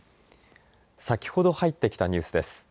先ほど入ってきたニュースです。